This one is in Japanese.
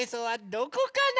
どこかな？